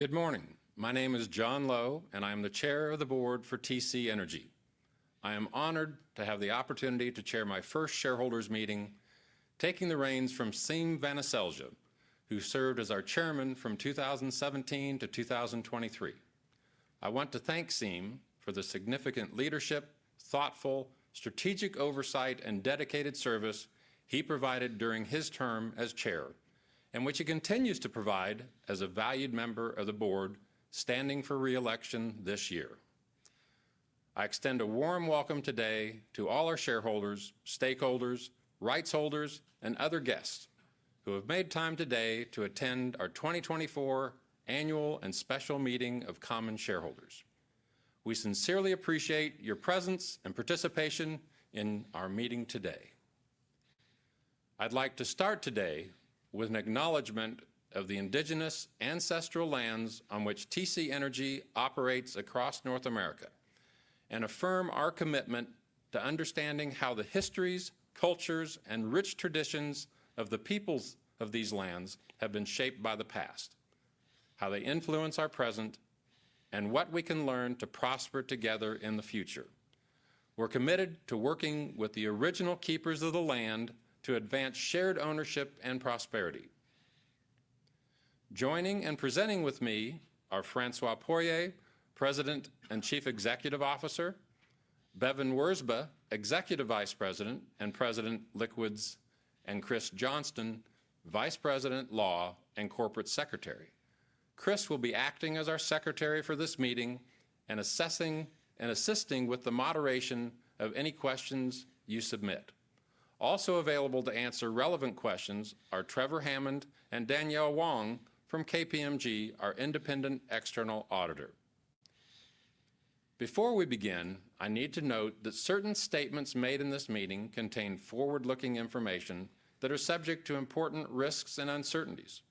Good morning. My name is John Lowe, and I'm the Chair of the Board for TC Energy. I am honored to have the opportunity to chair my first shareholders' meeting, taking the reins from Siim Vanaselja, who served as our Chair from 2017 to 2023. I want to thank Siim for the significant leadership, thoughtful strategic oversight, and dedicated service he provided during his term as chair, and which he continues to provide as a valued member of the board, standing for re-election this year. I extend a warm welcome today to all our shareholders, stakeholders, rights holders, and other guests, who have made time today to attend our 2024 Annual and Special Meeting of Common Shareholders. We sincerely appreciate your presence and participation in our meeting today. I'd like to start today with an acknowledgment of the Indigenous ancestral lands on which TC Energy operates across North America, and affirm our commitment to understanding how the histories, cultures, and rich traditions of the peoples of these lands have been shaped by the past, how they influence our present, and what we can learn to prosper together in the future. We're committed to working with the original keepers of the land to advance shared ownership and prosperity. Joining and presenting with me are François Poirier, President and Chief Executive Officer, Bevin Wirzba, Executive Vice President and President, Liquids, and Chris Johnston, Vice President, Law and Corporate Secretary. Chris will be acting as our secretary for this meeting and assisting with the moderation of any questions you submit. Also available to answer relevant questions are Trevor Hammond and Danielle Wong from KPMG, our independent external auditor. Before we begin, I need to note that certain statements made in this meeting contain forward-looking information that are subject to important risks and uncertainties.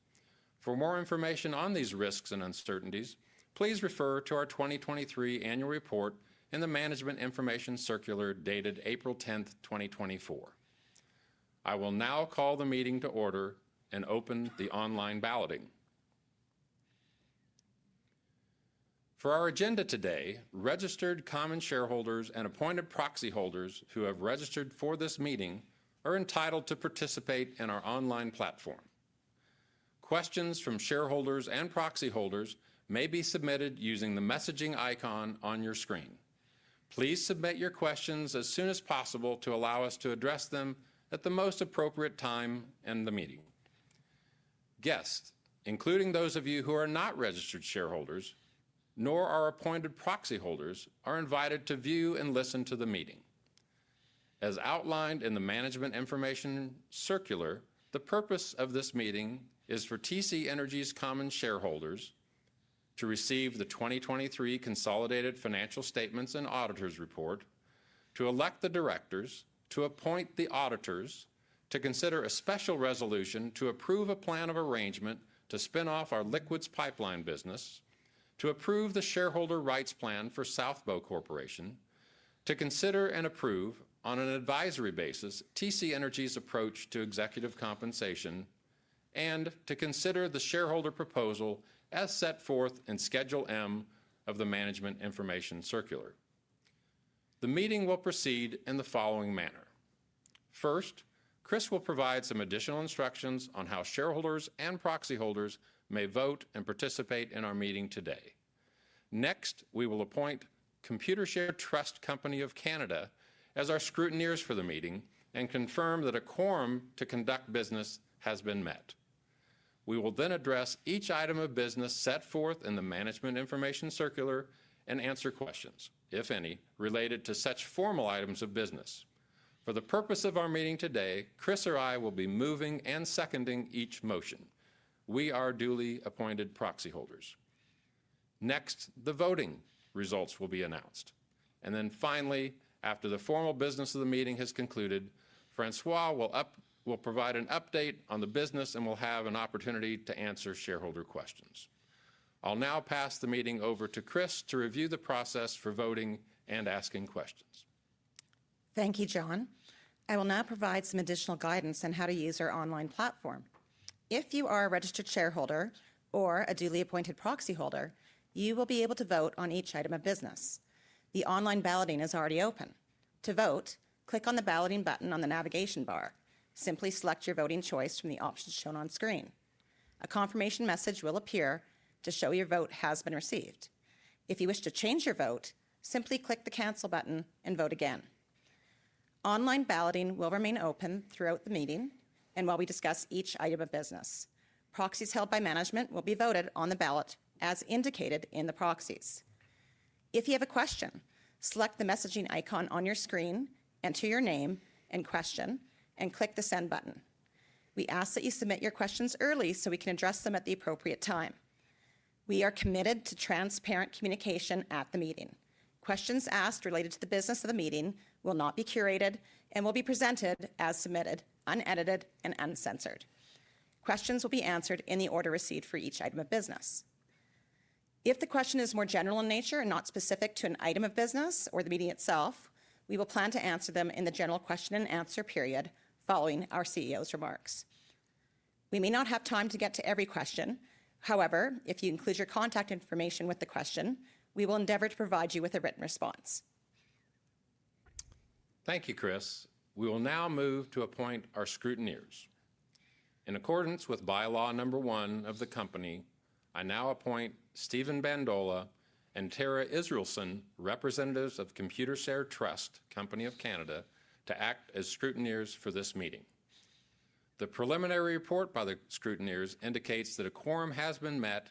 For more information on these risks and uncertainties, please refer to our 2023 annual report in the Management Information Circular, dated April 10th, 2024. I will now call the meeting to order and open the online balloting. For our agenda today, registered common shareholders and appointed proxy holders who have registered for this meeting are entitled to participate in our online platform. Questions from shareholders and proxy holders may be submitted using the messaging icon on your screen. Please submit your questions as soon as possible to allow us to address them at the most appropriate time in the meeting. Guests, including those of you who are not registered shareholders, nor are appointed proxy holders, are invited to view and listen to the meeting. As outlined in the Management Information Circular, the purpose of this meeting is for TC Energy's common shareholders to receive the 2023 consolidated financial statements and auditor's report, to elect the directors, to appoint the auditors, to consider a special resolution to approve a plan of arrangement to spin off our liquids pipeline business, to approve the shareholder rights plan for South Bow Corporation, to consider and approve, on an advisory basis, TC Energy's approach to executive compensation, and to consider the shareholder proposal as set forth in Schedule M of the Management Information Circular. The meeting will proceed in the following manner: First, Chris will provide some additional instructions on how shareholders and proxy holders may vote and participate in our meeting today. Next, we will appoint Computershare Trust Company of Canada as our scrutineers for the meeting and confirm that a quorum to conduct business has been met. We will then address each item of business set forth in the Management Information Circular and answer questions, if any, related to such formal items of business. For the purpose of our meeting today, Chris or I will be moving and seconding each motion. We are duly appointed proxy holders. Next, the voting results will be announced. And then finally, after the formal business of the meeting has concluded, François will provide an update on the business and will have an opportunity to answer shareholder questions. I'll now pass the meeting over to Chris to review the process for voting and asking questions. Thank you, John. I will now provide some additional guidance on how to use our online platform. If you are a registered shareholder or a duly appointed proxy holder, you will be able to vote on each item of business. The online balloting is already open. To vote, click on the Balloting button on the navigation bar. Simply select your voting choice from the options shown on screen. A confirmation message will appear to show your vote has been received. If you wish to change your vote, simply click the Cancel button and vote again. Online balloting will remain open throughout the meeting and while we discuss each item of business. Proxies held by management will be voted on the ballot as indicated in the proxies. If you have a question, select the messaging icon on your screen, enter your name and question, and click the Send button. We ask that you submit your questions early so we can address them at the appropriate time. We are committed to transparent communication at the meeting. Questions asked related to the business of the meeting will not be curated and will be presented as submitted, unedited, and uncensored. Questions will be answered in the order received for each item of business. If the question is more general in nature and not specific to an item of business or the meeting itself, we will plan to answer them in the general question and answer period following our CEO's remarks. We may not have time to get to every question; however, if you include your contact information with the question, we will endeavor to provide you with a written response. Thank you, Chris. We will now move to appoint our scrutineers. In accordance with bylaw number one of the company, I now appoint Stephen Bandola and Tara Israelson, representatives of Computershare Trust Company of Canada, to act as scrutineers for this meeting. The preliminary report by the scrutineers indicates that a quorum has been met,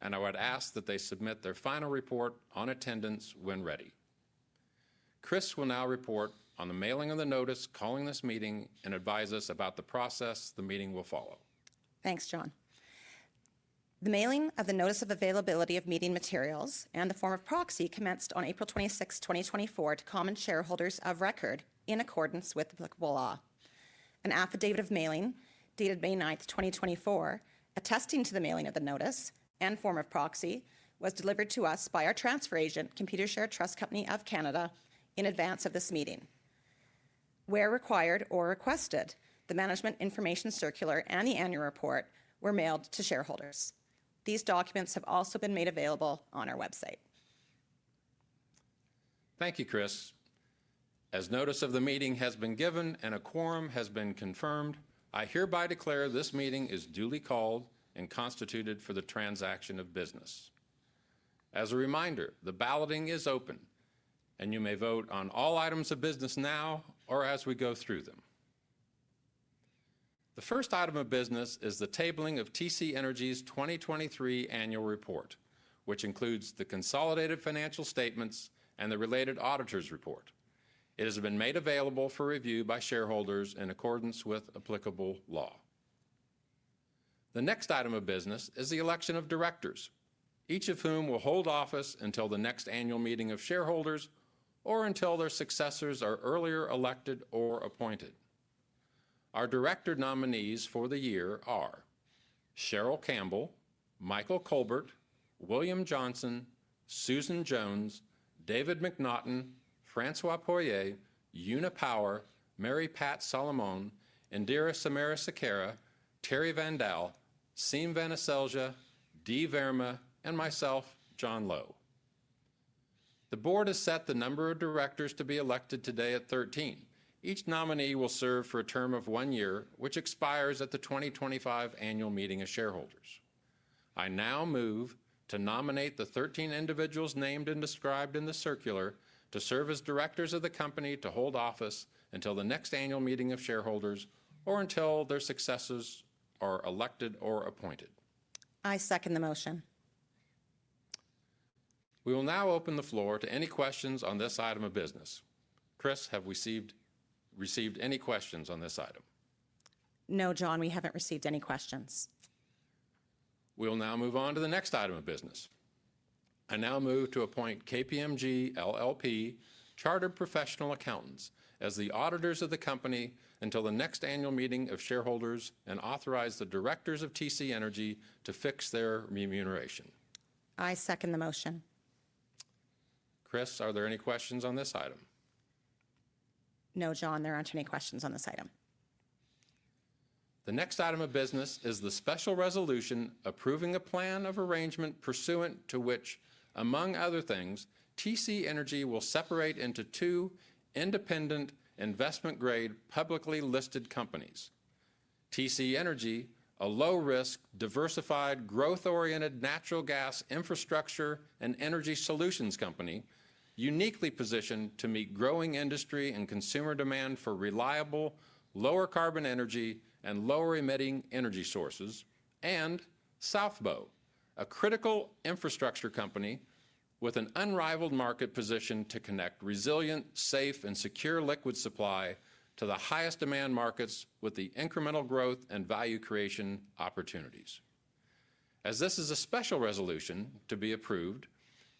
and I would ask that they submit their final report on attendance when ready. Chris will now report on the mailing of the notice calling this meeting and advise us about the process the meeting will follow. Thanks, John. The mailing of the notice of availability of meeting materials and the form of proxy commenced on April 26th, 2024, to common shareholders of record in accordance with applicable law. An affidavit of mailing, dated May 9th, 2024, attesting to the mailing of the notice and form of proxy, was delivered to us by our transfer agent, Computershare Trust Company of Canada, in advance of this meeting. Where required or requested, the Management Information Circular and the annual report were mailed to shareholders. These documents have also been made available on our website. Thank you, Chris. As notice of the meeting has been given and a quorum has been confirmed, I hereby declare this meeting is duly called and constituted for the transaction of business. As a reminder, the balloting is open, and you may vote on all items of business now or as we go through them. The first item of business is the tabling of TC Energy's 2023 annual report, which includes the consolidated financial statements and the related auditor's report. It has been made available for review by shareholders in accordance with applicable law. The next item of business is the election of directors, each of whom will hold office until the next annual meeting of shareholders or until their successors are earlier elected or appointed. Our director nominees for the year are: Cheryl Campbell, Michael Culbert, William Johnson, Susan Jones, David MacNaughton, François Poirier, Una Power, Mary Pat Salomone, Indira Samarasekera, Thierry Vandal, Siim Vanaselja, Dheeraj Verma, and myself, John Lowe. The board has set the number of directors to be elected today at 13. Each nominee will serve for a term of one year, which expires at the 2025 annual meeting of shareholders. I now move to nominate the 13 individuals named and described in the circular to serve as directors of the company to hold office until the next annual meeting of shareholders or until their successors are elected or appointed. I second the motion. We will now open the floor to any questions on this item of business. Chris, have we received any questions on this item? No, John, we haven't received any questions. We'll now move on to the next item of business. I now move to appoint KPMG LLP, chartered professional accountants, as the auditors of the company until the next annual meeting of shareholders and authorize the directors of TC Energy to fix their remuneration. I second the motion. Chris, are there any questions on this item? No, John, there aren't any questions on this item. The next item of business is the special resolution approving a plan of arrangement pursuant to which, among other things, TC Energy will separate into two independent, investment-grade, publicly listed companies. TC Energy, a low-risk, diversified, growth-oriented natural gas infrastructure and energy solutions company, uniquely positioned to meet growing industry and consumer demand for reliable, lower carbon energy and lower-emitting energy sources, and Southbow, a critical infrastructure company with an unrivaled market position to connect resilient, safe, and secure liquid supply to the highest demand markets with the incremental growth and value creation opportunities. As this is a special resolution to be approved,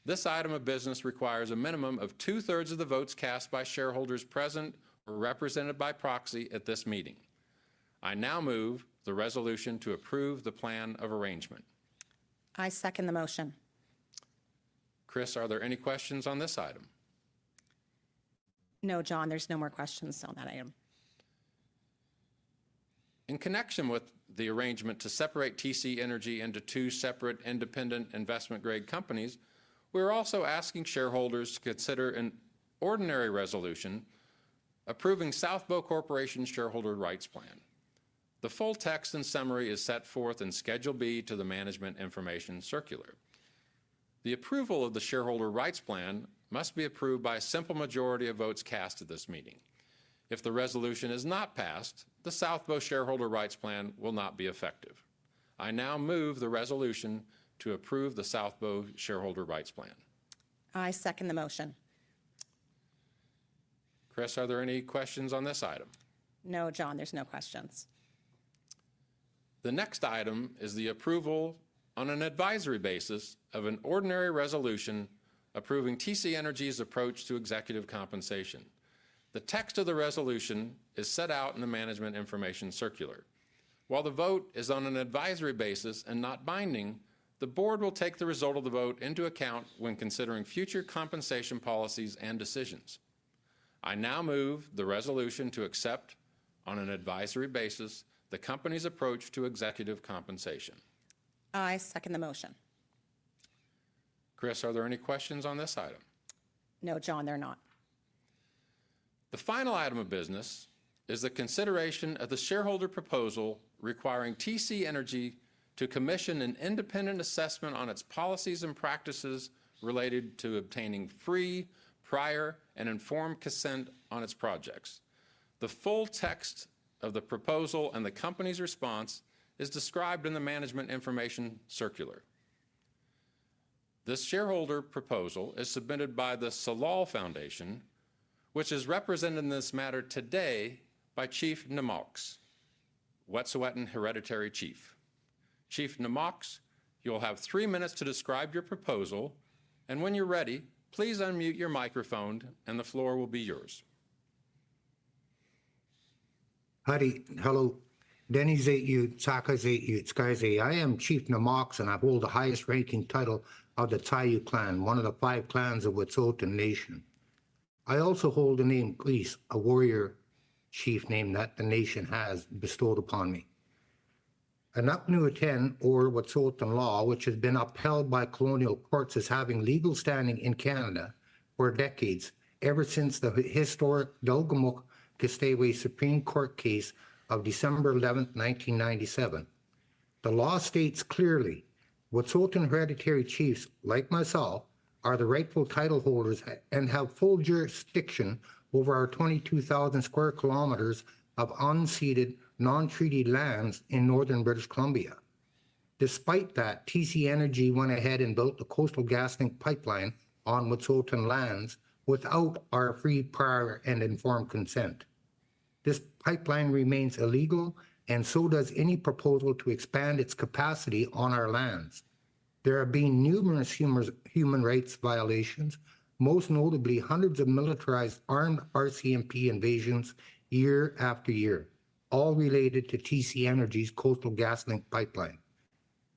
this item of business requires a minimum of two-thirds of the votes cast by shareholders present or represented by proxy at this meeting. I now move the resolution to approve the plan of arrangement. I second the motion. Chris, are there any questions on this item? No, John, there's no more questions on that item. In connection with the arrangement to separate TC Energy into two separate independent investment-grade companies, we're also asking shareholders to consider an ordinary resolution approving South Bow Corporation's Shareholder Rights Plan. The full text and summary is set forth in Schedule B to the Management Information Circular. The approval of the Shareholder Rights Plan must be approved by a simple majority of votes cast at this meeting. If the resolution is not passed, the South Bow Shareholder Rights Plan will not be effective. I now move the resolution to approve the South Bow Shareholder Rights Plan. I second the motion. Chris, are there any questions on this item? No, John, there's no questions. The next item is the approval on an advisory basis of an ordinary resolution approving TC Energy's approach to executive compensation. The text of the resolution is set out in the Management Information Circular.... While the vote is on an advisory basis and not binding, the board will take the result of the vote into account when considering future compensation policies and decisions. I now move the resolution to accept, on an advisory basis, the company's approach to executive compensation. I second the motion. Chris, are there any questions on this item? No, John, there are not. The final item of business is the consideration of the shareholder proposal requiring TC Energy to commission an independent assessment on its policies and practices related to obtaining free, prior, and informed consent on its projects. The full text of the proposal and the company's response is described in the Management Information Circular. This shareholder proposal is submitted by the Tsalal Foundation, which is represented in this matter today by Chief Na'moks, Wet'suwet'en Hereditary Chief. Chief Na'moks, you'll have three minutes to describe your proposal, and when you're ready, please unmute your microphone, and the floor will be yours. Howdy. Hello. I am Chief Na'moks, and I hold the highest-ranking title of the Tsayu Clan, one of the five clans of Wet'suwet'en Nation. I also hold the name Glies, a warrior chief name that the nation has bestowed upon me. An Upnu Ten, or Wet'suwet'en Law, which has been upheld by colonial courts as having legal standing in Canada for decades, ever since the historic Delgamuukw-Gisday'wa Supreme Court case of December 11th, 1997. The law states clearly, Wet'suwet'en Hereditary Chiefs, like myself, are the rightful title holders and have full jurisdiction over our 22,000 square kilometers of unceded, non-treaty lands in northern British Columbia. Despite that, TC Energy went ahead and built the Coastal GasLink pipeline on Wet'suwet'en lands without our free, prior, and informed consent. This pipeline remains illegal, and so does any proposal to expand its capacity on our lands. There have been numerous human rights violations, most notably hundreds of militarized armed RCMP invasions year after year, all related to TC Energy's Coastal GasLink pipeline.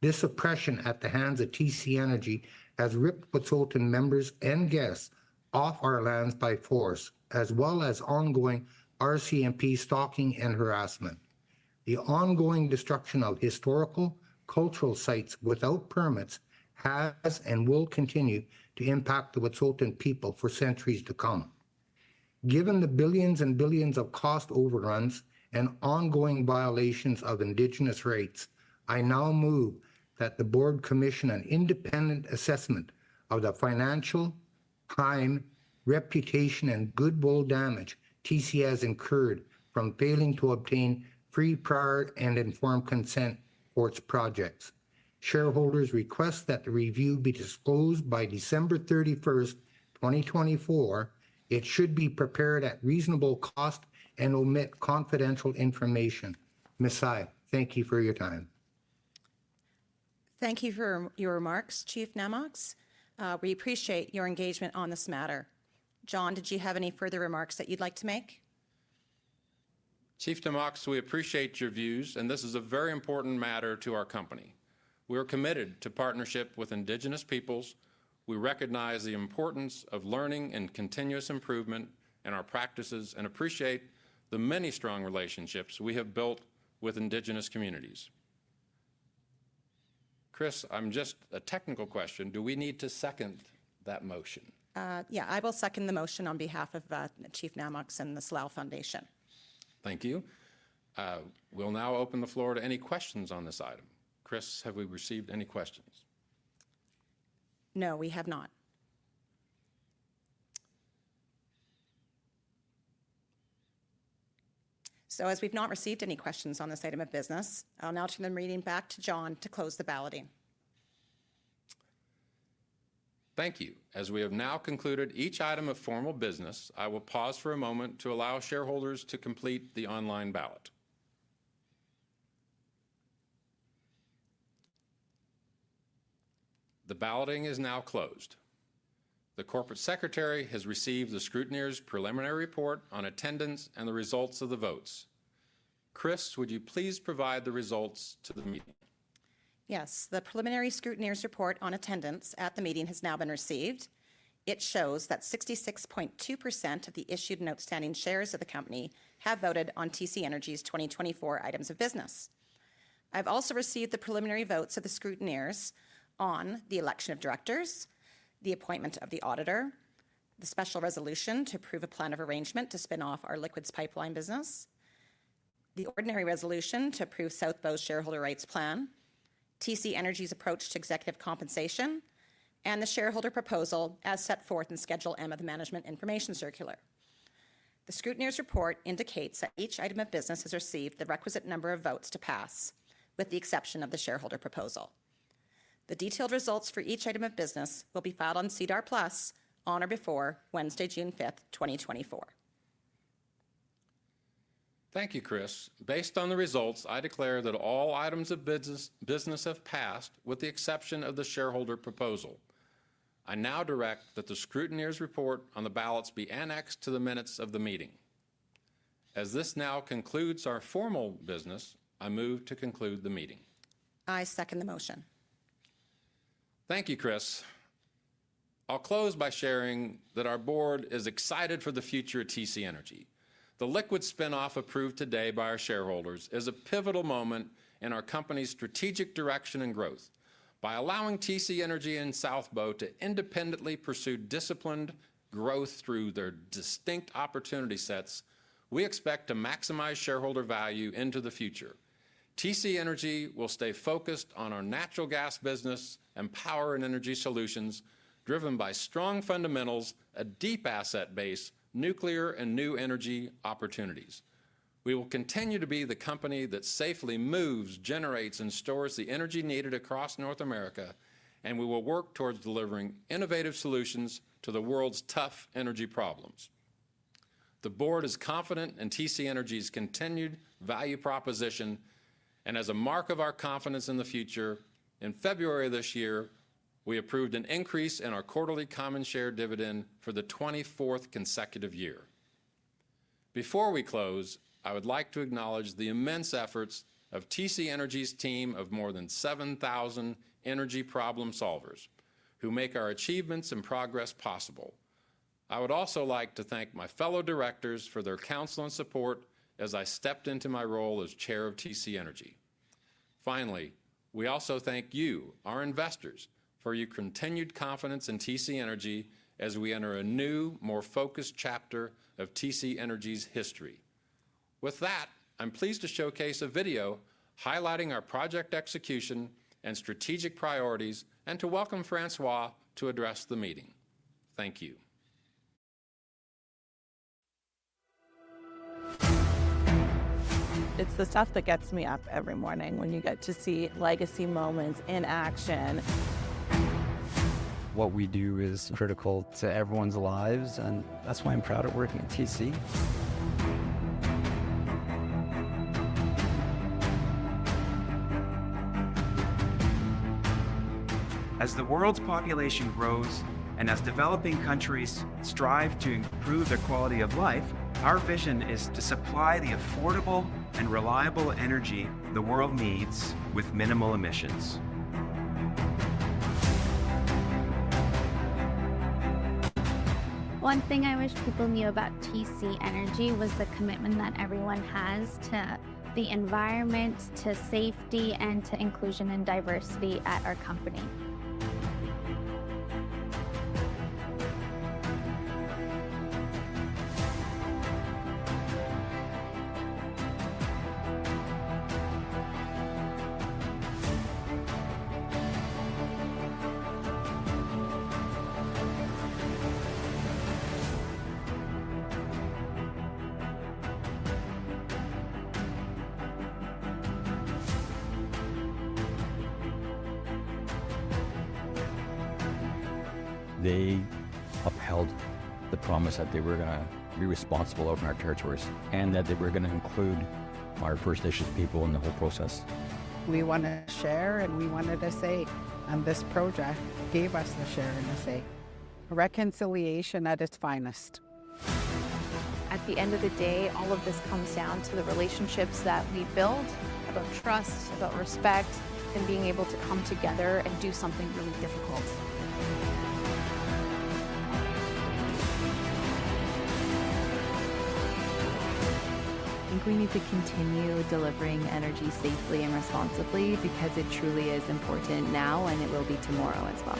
This oppression at the hands of TC Energy has ripped Wet'suwet'en members and guests off our lands by force, as well as ongoing RCMP stalking and harassment. The ongoing destruction of historical cultural sites without permits has and will continue to impact the Wet'suwet'en people for centuries to come. Given the billions and billions of cost overruns and ongoing violations of Indigenous rights, I now move that the board commission an independent assessment of the financial, time, reputation, and goodwill damage TC has incurred from failing to obtain free, prior, and informed consent for its projects. Shareholders request that the review be disclosed by December 31, 2024. It should be prepared at reasonable cost and omit confidential information. Ms. Seier, thank you for your time. Thank you for your remarks, Chief Na'moks. We appreciate your engagement on this matter. John, did you have any further remarks that you'd like to make? Chief Na'moks, we appreciate your views, and this is a very important matter to our company. We are committed to partnership with Indigenous peoples. We recognize the importance of learning and continuous improvement in our practices and appreciate the many strong relationships we have built with Indigenous communities. Chris, I'm just... a technical question: Do we need to second that motion? Yeah, I will second the motion on behalf of Chief Na'moks and the Tsalal Foundation. Thank you. We'll now open the floor to any questions on this item. Chris, have we received any questions? No, we have not. So as we've not received any questions on this item of business, I'll now turn the meeting back to John to close the balloting. Thank you. As we have now concluded each item of formal business, I will pause for a moment to allow shareholders to complete the online ballot. The balloting is now closed. The Corporate Secretary has received the scrutineer's preliminary report on attendance and the results of the votes. Chris, would you please provide the results to the meeting? Yes, the preliminary scrutineer's report on attendance at the meeting has now been received. It shows that 66.2% of the issued and outstanding shares of the company have voted on TC Energy's 2024 items of business. I've also received the preliminary votes of the scrutineers on the election of directors, the appointment of the auditor, the special resolution to approve a plan of arrangement to spin off our liquids pipeline business, the ordinary resolution to approve South Bow's shareholder rights plan, TC Energy's approach to executive compensation, and the shareholder proposal as set forth in Schedule M of the Management Information Circular. The scrutineer's report indicates that each item of business has received the requisite number of votes to pass, with the exception of the shareholder proposal. The detailed results for each item of business will be filed on SEDAR+ on or before Wednesday, June 5th, 2024. Thank you, Chris. Based on the results, I declare that all items of business have passed, with the exception of the shareholder proposal. I now direct that the scrutineer's report on the ballots be annexed to the minutes of the meeting. As this now concludes our formal business, I move to conclude the meeting. I second the motion. Thank you, Chris. I'll close by sharing that our board is excited for the future of TC Energy. The liquids spin-off approved today by our shareholders is a pivotal moment in our company's strategic direction and growth. By allowing TC Energy and South Bow to independently pursue disciplined growth through their distinct opportunity sets, we expect to maximize shareholder value into the future. TC Energy will stay focused on our natural gas business and power and energy solutions, driven by strong fundamentals, a deep asset base, nuclear, and new energy opportunities. We will continue to be the company that safely moves, generates, and stores the energy needed across North America, and we will work towards delivering innovative solutions to the world's tough energy problems. The board is confident in TC Energy's continued value proposition, and as a mark of our confidence in the future, in February of this year, we approved an increase in our quarterly common share dividend for the 24th consecutive year. Before we close, I would like to acknowledge the immense efforts of TC Energy's team of more than 7,000 energy problem solvers, who make our achievements and progress possible. I would also like to thank my fellow directors for their counsel and support as I stepped into my role as chair of TC Energy. Finally, we also thank you, our investors, for your continued confidence in TC Energy as we enter a new, more focused chapter of TC Energy's history. With that, I'm pleased to showcase a video highlighting our project execution and strategic priorities, and to welcome François to address the meeting. Thank you. It's the stuff that gets me up every morning, when you get to see legacy moments in action. What we do is critical to everyone's lives, and that's why I'm proud of working at TC. As the world's population grows, and as developing countries strive to improve their quality of life, our vision is to supply the affordable and reliable energy the world needs with minimal emissions. One thing I wish people knew about TC Energy was the commitment that everyone has to the environment, to safety, and to inclusion and diversity at our company. They upheld the promise that they were gonna be responsible out in our territories, and that they were gonna include our First Nations people in the whole process. We want a share, and we want a say, and this project gave us a share and a say. Reconciliation at its finest. At the end of the day, all of this comes down to the relationships that we build, about trust, about respect, and being able to come together and do something really difficult. I think we need to continue delivering energy safely and responsibly, because it truly is important now, and it will be tomorrow as well.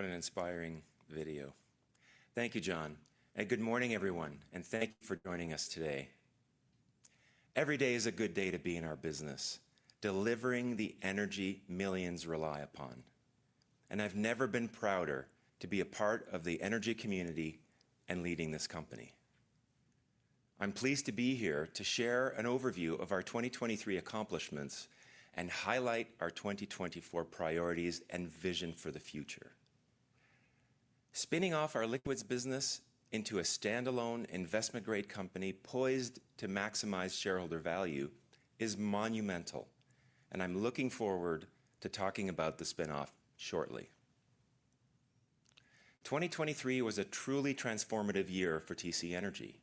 What an inspiring video. Thank you, John, and good morning, everyone, and thank you for joining us today. Every day is a good day to be in our business, delivering the energy millions rely upon, and I've never been prouder to be a part of the energy community and leading this company. I'm pleased to be here to share an overview of our 2023 accomplishments and highlight our 2024 priorities and vision for the future. Spinning off our liquids business into a standalone investment-grade company poised to maximize shareholder value is monumental, and I'm looking forward to talking about the spin-off shortly. 2023 was a truly transformative year for TC Energy.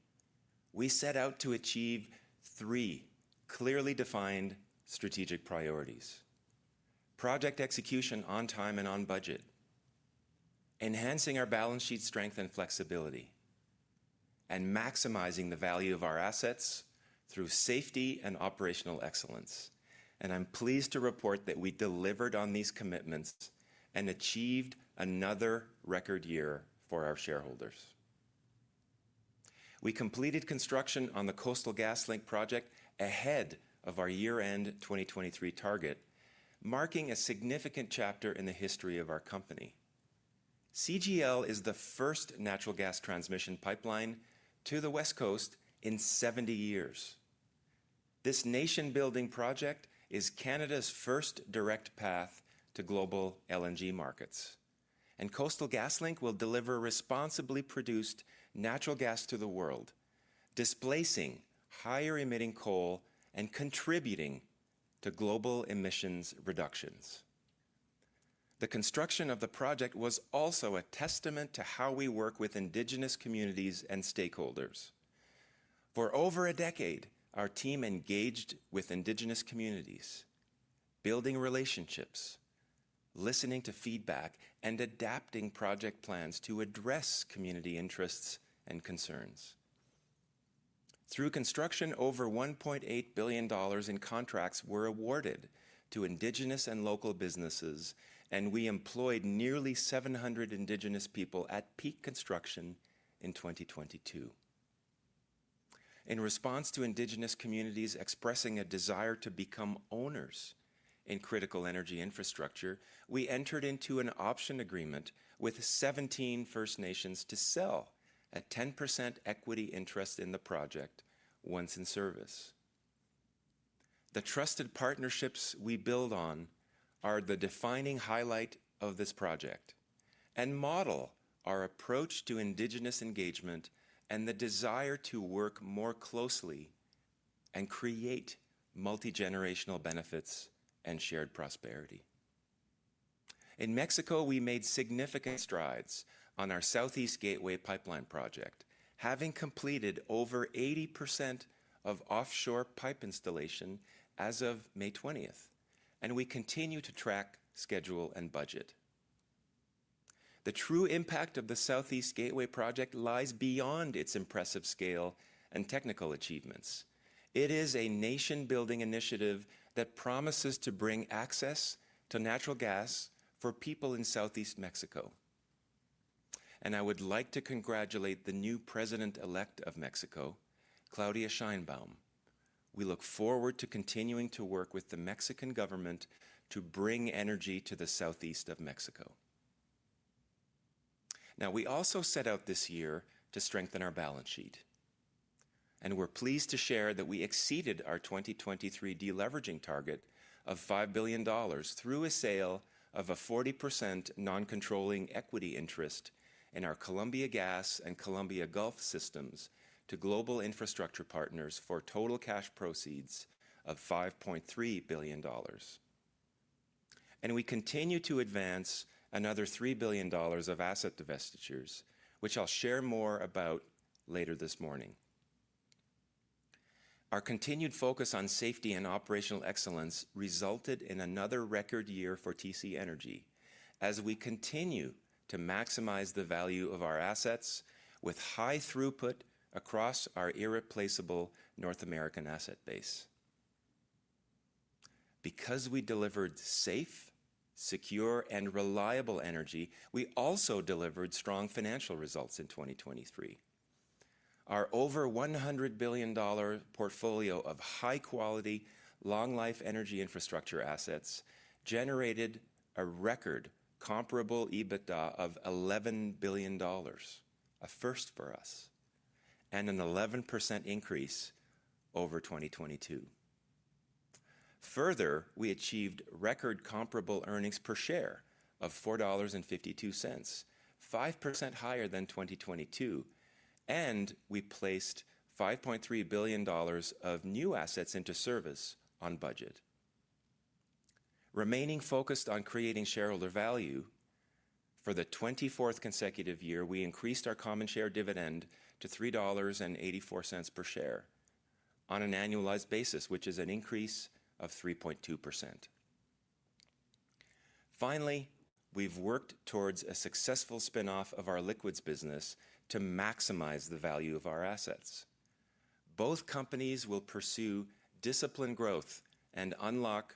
We set out to achieve three clearly defined strategic priorities: project execution on time and on budget, enhancing our balance sheet strength and flexibility, and maximizing the value of our assets through safety and operational excellence. I'm pleased to report that we delivered on these commitments and achieved another record year for our shareholders. We completed construction on the Coastal GasLink project ahead of our year-end 2023 target, marking a significant chapter in the history of our company. CGL is the first natural gas transmission pipeline to the West Coast in 70 years. This nation-building project is Canada's first direct path to global LNG markets, and Coastal GasLink will deliver responsibly produced natural gas to the world, displacing higher-emitting coal and contributing to global emissions reductions. The construction of the project was also a testament to how we work with Indigenous communities and stakeholders. For over a decade, our team engaged with Indigenous communities, building relationships, listening to feedback, and adapting project plans to address community interests and concerns. Through construction, over 1.8 billion dollars in contracts were awarded to Indigenous and local businesses, and we employed nearly 700 Indigenous people at peak construction in 2022. In response to Indigenous communities expressing a desire to become owners in critical energy infrastructure, we entered into an option agreement with 17 First Nations to sell a 10% equity interest in the project once in service. The trusted partnerships we build on are the defining highlight of this project and model our approach to Indigenous engagement and the desire to work more closely and create multi-generational benefits and shared prosperity. In Mexico, we made significant strides on our Southeast Gateway Pipeline Project, having completed over 80% of offshore pipe installation as of May twentieth, and we continue to track schedule and budget. The true impact of the Southeast Gateway project lies beyond its impressive scale and technical achievements. It is a nation-building initiative that promises to bring access to natural gas for people in southeast Mexico. I would like to congratulate the new President-elect of Mexico, Claudia Sheinbaum. We look forward to continuing to work with the Mexican government to bring energy to the southeast of Mexico. Now, we also set out this year to strengthen our balance sheet, and we're pleased to share that we exceeded our 2023 deleveraging target of $5 billion through a sale of a 40% non-controlling equity interest in our Columbia Gas and Columbia Gulf systems to Global Infrastructure Partners for total cash proceeds of $5.3 billion. We continue to advance another $3 billion of asset divestitures, which I'll share more about later this morning. Our continued focus on safety and operational excellence resulted in another record year for TC Energy as we continue to maximize the value of our assets with high throughput across our irreplaceable North American asset base. Because we delivered safe, secure, and reliable energy, we also delivered strong financial results in 2023. Our over $100 billion portfolio of high-quality, long-life energy infrastructure assets generated a record comparable EBITDA of $11 billion, a first for us, and an 11% increase over 2022. Further, we achieved record comparable earnings per share of $4.52, 5% higher than 2022, and we placed $5.3 billion of new assets into service on budget. Remaining focused on creating shareholder value, for the 24th consecutive year, we increased our common share dividend to 3.84 dollars per share on an annualized basis, which is an increase of 3.2%. Finally, we've worked towards a successful spin-off of our liquids business to maximize the value of our assets. Both companies will pursue disciplined growth and unlock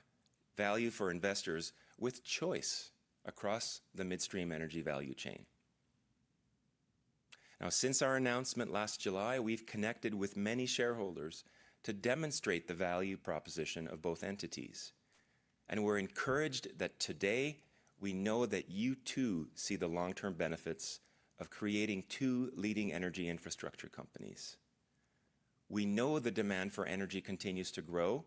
value for investors with choice across the midstream energy value chain. Now, since our announcement last July, we've connected with many shareholders to demonstrate the value proposition of both entities, and we're encouraged that today we know that you, too, see the long-term benefits of creating two leading energy infrastructure companies. We know the demand for energy continues to grow,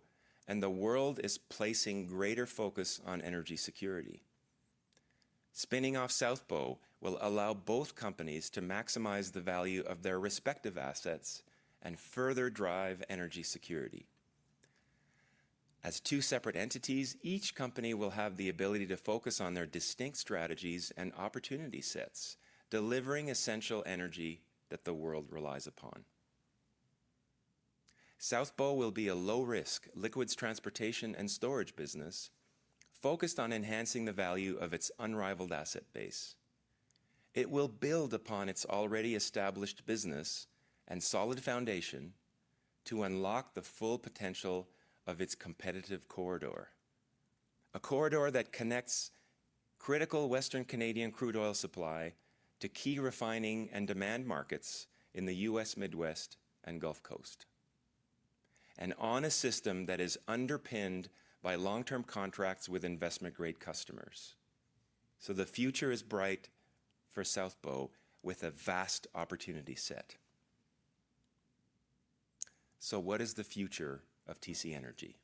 and the world is placing greater focus on energy security. Spinning off South Bow will allow both companies to maximize the value of their respective assets and further drive energy security. As two separate entities, each company will have the ability to focus on their distinct strategies and opportunity sets, delivering essential energy that the world relies upon. South Bow will be a low-risk liquids transportation and storage business focused on enhancing the value of its unrivaled asset base. It will build upon its already established business and solid foundation to unlock the full potential of its competitive corridor.... A corridor that connects critical Western Canadian crude oil supply to key refining and demand markets in the U.S. Midwest and Gulf Coast, and on a system that is underpinned by long-term contracts with investment-grade customers. So the future is bright for South Bow, with a vast opportunity set. So what is the future of TC Energy?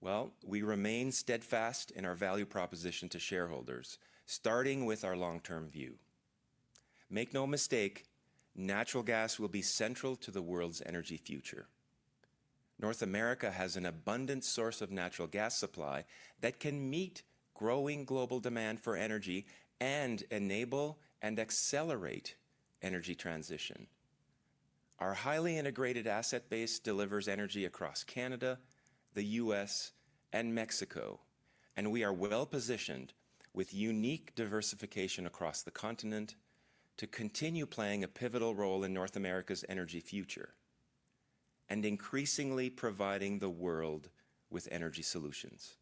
Well, we remain steadfast in our value proposition to shareholders, starting with our long-term view. Make no mistake, natural gas will be central to the world's energy future. North America has an abundant source of natural gas supply that can meet growing global demand for energy and enable and accelerate energy transition. Our highly integrated asset base delivers energy across Canada, the U.S., and Mexico, and we are well-positioned, with unique diversification across the continent, to continue playing a pivotal role in North America's energy future and increasingly providing the world with energy solutions.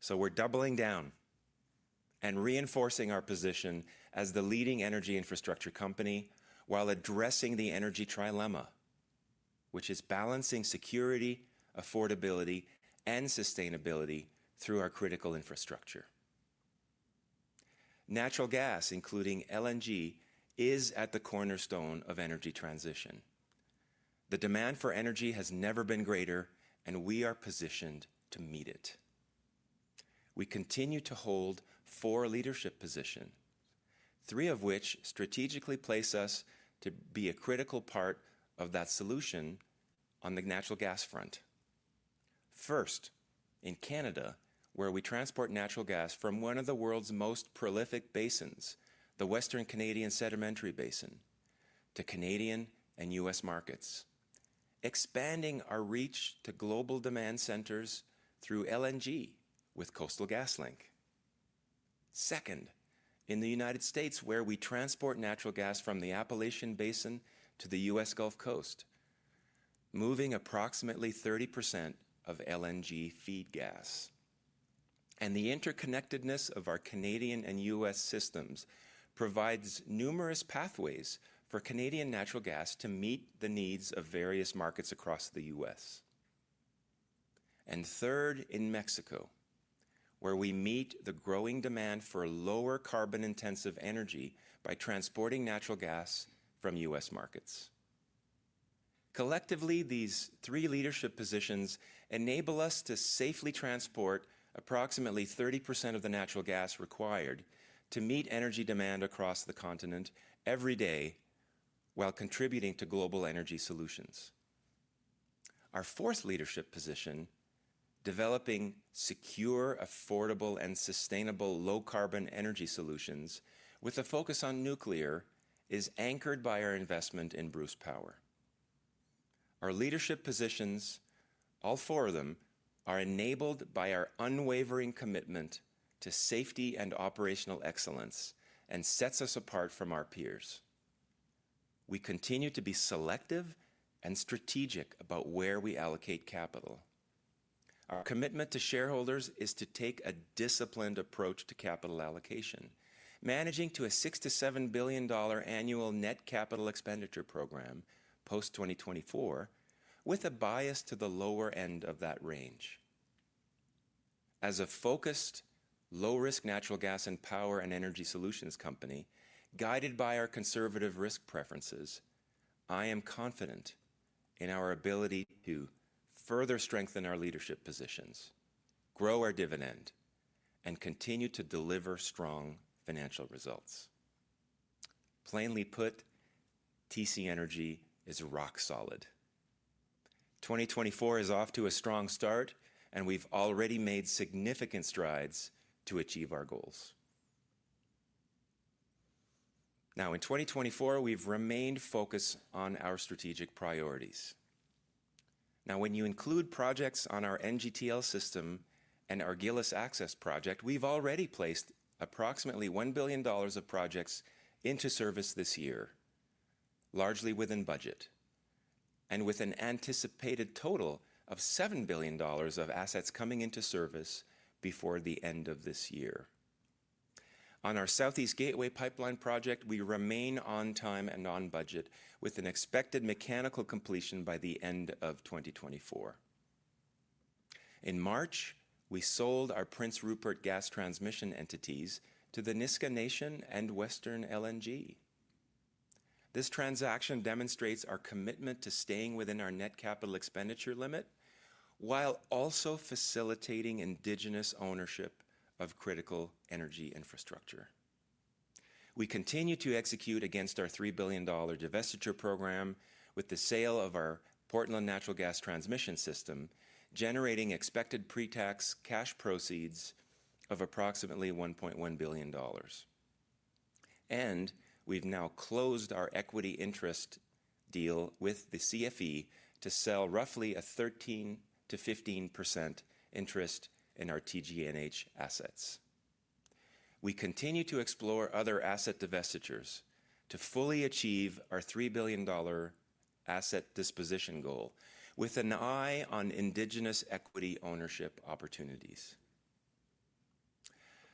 So we're doubling down and reinforcing our position as the leading energy infrastructure company while addressing the energy trilemma, which is balancing security, affordability, and sustainability through our critical infrastructure. Natural gas, including LNG, is at the cornerstone of energy transition. The demand for energy has never been greater, and we are positioned to meet it. We continue to hold four leadership positions, three of which strategically place us to be a critical part of that solution on the natural gas front. First, in Canada, where we transport natural gas from one of the world's most prolific basins, the Western Canadian Sedimentary Basin, to Canadian and U.S. markets, expanding our reach to global demand centers through LNG with Coastal GasLink. Second, in the United States, where we transport natural gas from the Appalachian Basin to the U.S. Gulf Coast, moving approximately 30% of LNG feed gas. The interconnectedness of our Canadian and U.S. systems provides numerous pathways for Canadian natural gas to meet the needs of various markets across the U.S. Third, in Mexico, where we meet the growing demand for lower carbon-intensive energy by transporting natural gas from U.S. markets. Collectively, these three leadership positions enable us to safely transport approximately 30% of the natural gas required to meet energy demand across the continent every day while contributing to global energy solutions. Our fourth leadership position, developing secure, affordable, and sustainable low-carbon energy solutions with a focus on nuclear, is anchored by our investment in Bruce Power. Our leadership positions, all four of them, are enabled by our unwavering commitment to safety and operational excellence and sets us apart from our peers. We continue to be selective and strategic about where we allocate capital. Our commitment to shareholders is to take a disciplined approach to capital allocation, managing to a $6 billion-$7 billion annual net capital expenditure program post-2024, with a bias to the lower end of that range. As a focused, low-risk natural gas and power and energy solutions company, guided by our conservative risk preferences, I am confident in our ability to further strengthen our leadership positions, grow our dividend, and continue to deliver strong financial results. Plainly put, TC Energy is rock solid. 2024 is off to a strong start, and we've already made significant strides to achieve our goals. Now, in 2024, we've remained focused on our strategic priorities. Now, when you include projects on our NGTL System and our Gillis Access Project, we've already placed approximately 1 billion dollars of projects into service this year, largely within budget and with an anticipated total of 7 billion dollars of assets coming into service before the end of this year. On our Southeast Gateway Pipeline project, we remain on time and on budget, with an expected mechanical completion by the end of 2024. In March, we sold our Prince Rupert Gas Transmission entities to the Nisga'a Nation and Western LNG. This transaction demonstrates our commitment to staying within our net capital expenditure limit while also facilitating Indigenous ownership of critical energy infrastructure. We continue to execute against our $3 billion divestiture program with the sale of our Portland Natural Gas Transmission System, generating expected pre-tax cash proceeds of approximately $1.1 billion. We've now closed our equity interest deal with the CFE to sell roughly a 13%-15% interest in our TGNH assets. We continue to explore other asset divestitures to fully achieve our $3 billion asset disposition goal, with an eye on Indigenous equity ownership opportunities.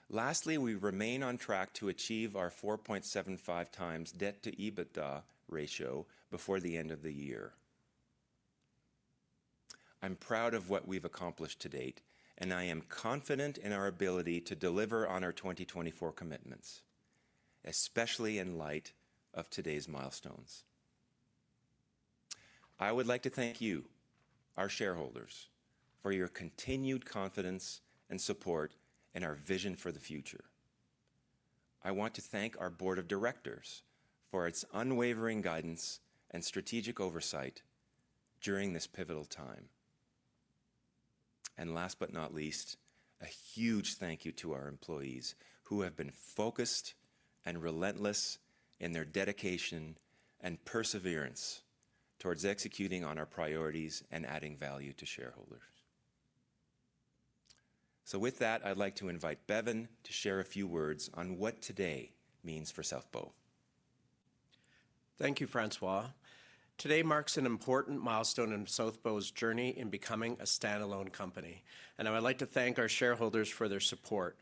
Lastly, we remain on track to achieve our 4.75x debt-to-EBITDA ratio before the end of the year. I'm proud of what we've accomplished to date, and I am confident in our ability to deliver on our 2024 commitments, especially in light of today's milestones. I would like to thank you, our shareholders, for your continued confidence and support in our vision for the future. I want to thank our board of directors for its unwavering guidance and strategic oversight during this pivotal time. Last but not least, a huge thank you to our employees, who have been focused and relentless in their dedication and perseverance towards executing on our priorities and adding value to shareholders. With that, I'd like to invite Bevin to share a few words on what today means for South Bow. Thank you, François. Today marks an important milestone in Southbow's journey in becoming a standalone company, and I would like to thank our shareholders for their support.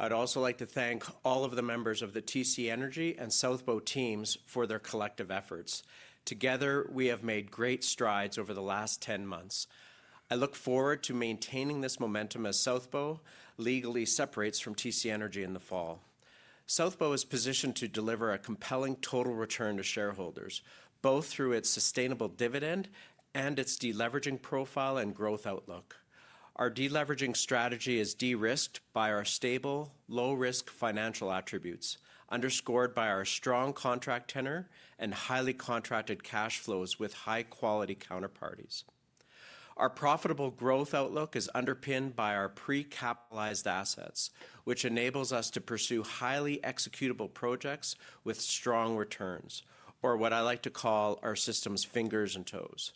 I'd also like to thank all of the members of the TC Energy and Southbow teams for their collective efforts. Together, we have made great strides over the last 10 months. I look forward to maintaining this momentum as Southbow legally separates from TC Energy in the fall. Southbow is positioned to deliver a compelling total return to shareholders, both through its sustainable dividend and its deleveraging profile and growth outlook. Our deleveraging strategy is de-risked by our stable, low-risk financial attributes, underscored by our strong contract tenor and highly contracted cash flows with high-quality counterparties. Our profitable growth outlook is underpinned by our pre-capitalized assets, which enables us to pursue highly executable projects with strong returns, or what I like to call our system's fingers and toes,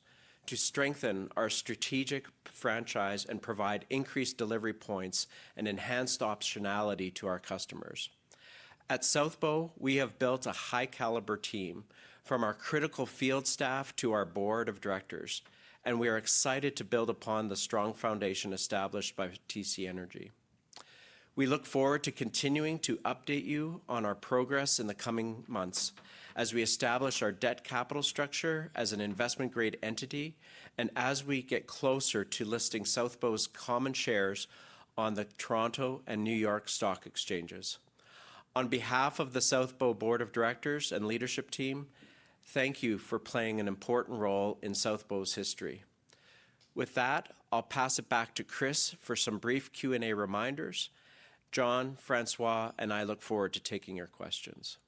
to strengthen our strategic franchise and provide increased delivery points and enhanced optionality to our customers. At South Bow, we have built a high-caliber team, from our critical field staff to our board of directors, and we are excited to build upon the strong foundation established by TC Energy. We look forward to continuing to update you on our progress in the coming months as we establish our debt capital structure as an investment-grade entity and as we get closer to listing South Bow's common shares on the Toronto and New York Stock Exchanges. On behalf of the South Bow Board of Directors and leadership team, thank you for playing an important role in South Bow's history. With that, I'll pass it back to Chris for some brief Q&A reminders. John, François, and I look forward to taking your questions.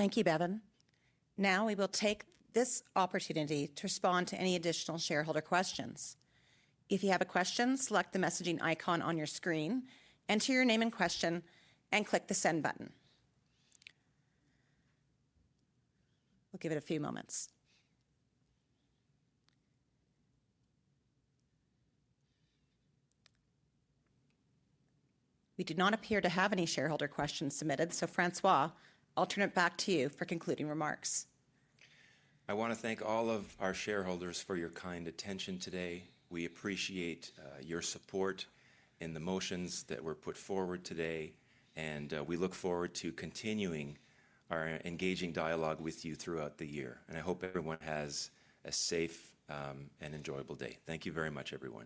Thank you, Bevin. Now, we will take this opportunity to respond to any additional shareholder questions. If you have a question, select the messaging icon on your screen, enter your name and question, and click the Send button. We'll give it a few moments. We do not appear to have any shareholder questions submitted, so, François, I'll turn it back to you for concluding remarks. I want to thank all of our shareholders for your kind attention today. We appreciate your support in the motions that were put forward today, and we look forward to continuing our engaging dialogue with you throughout the year. I hope everyone has a safe and enjoyable day. Thank you very much, everyone.